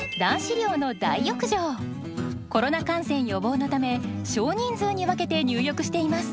コロナ感染予防のため少人数に分けて入浴しています。